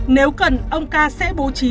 nếu cần ông ca sẽ bố trí